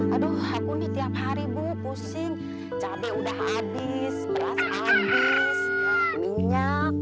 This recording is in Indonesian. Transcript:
aduh aku ini tiap hari bu pusing cabai udah habis belas habis minyak